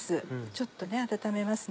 ちょっと温めます。